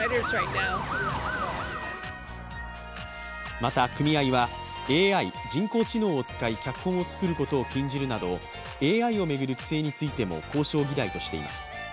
また組合は、ＡＩ＝人工知能を使い脚本を作ることを禁じるなどＡＩを巡る規制についても交渉議題としています。